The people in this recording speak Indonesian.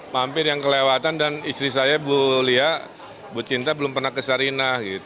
mampir yang kelewatan dan istri saya bu lia bu cinta belum pernah ke sarinah